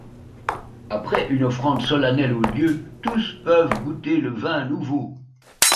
Après une offrande solennelle au dieu, tous peuvent goûter le vin nouveau.